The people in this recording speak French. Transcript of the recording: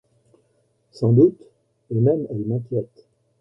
Sans doute, et même elle m’inquiète.